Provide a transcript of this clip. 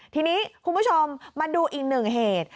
ทีนี้คุณผู้ชมมาดูอีกหนึ่งเหตุ